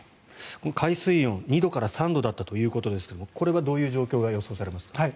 海水温、２度から３度だったということですがこれはどういう状況が予想されますか。